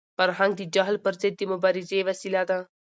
فرهنګ د جهل پر ضد د مبارزې وسیله ده.